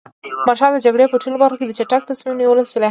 مارشال د جګړې په ټولو برخو کې د چټک تصمیم نیولو صلاحیت لري.